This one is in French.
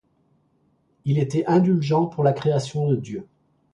Il était indulgent pour la création de Dieu.